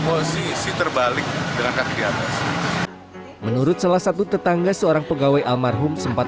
posisi terbalik dengan kaki atas menurut salah satu tetangga seorang pegawai almarhum sempat